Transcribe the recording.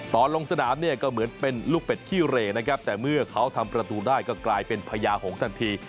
ตอนลงสนามเนี่ยก็เหมือนเป็นลูกเป็ดขี้เหลนะครับแต่เมื่อเขาทำประตูได้ก็กลายเป็นพญาหงษ์ทันที